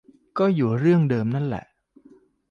ก็อยู่เรื่องเดิมแหละ